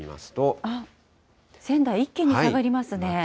仙台、一気に下がりますね。